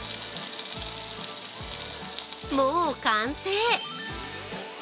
もう完成！